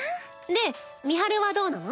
で美晴はどうなの？